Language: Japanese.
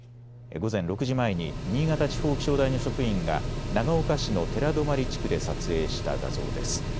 午前６時前に新潟地方気象台の職員が長岡市の寺泊地区で撮影した画像です。